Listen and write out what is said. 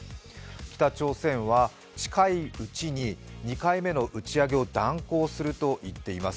北朝鮮は近いうちに２回目の打ち上げを断行すると言っています。